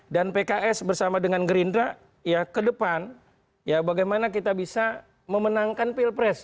pks bersama dengan gerindra ya ke depan ya bagaimana kita bisa memenangkan pilpres